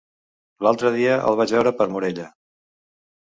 L'altre dia el vaig veure per Morella.